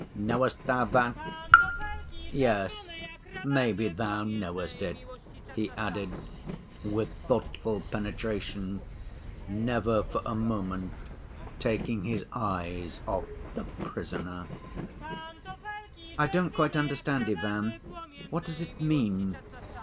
Knowest Thou that? Yes, maybe Thou knowest it,' he added with thoughtful penetration, never for a moment taking his eyes off the Prisoner." "I don't quite understand, Ivan. What does it mean?"